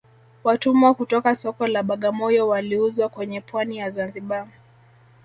Watumwa kutoka soko la bagamoyo waliuzwa kwenye pwani ya zanzibar